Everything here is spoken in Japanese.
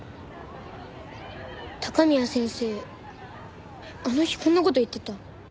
高宮先生あの日こんな事言ってた。